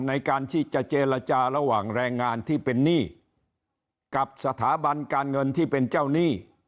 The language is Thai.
ในการที่จะเจรจาระหว่างแรงงานที่เป็นหนี้กับสถาบันการเงินที่เป็นเจ้าหนี้